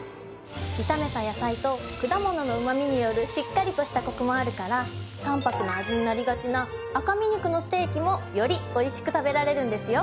炒めた野菜と果物のうまみによるしっかりとしたコクもあるから淡泊な味になりがちな赤身肉のステーキもより美味しく食べられるんですよ。